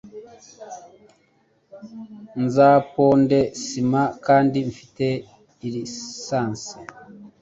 Nzaponde sima kandi mfite licence